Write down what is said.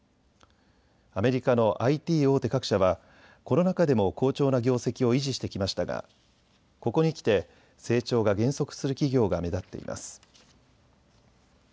アメリカのＩＴ大手各社はコロナ禍でも好調な業績を維持してきましたがここにきて成長が減速する企業が目立っています。